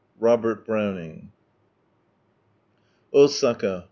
ROIIERT BROWNINO. Osaka.